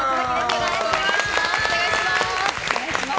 よろしくお願いします。